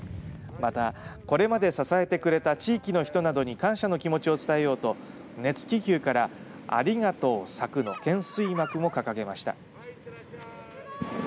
また、これまで支えてくれた地域の人などに感謝の気持ちを伝えようと熱気球からありがとう佐久の懸垂幕も掲げました。